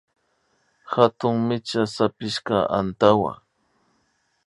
Hatun micha sapishka antawa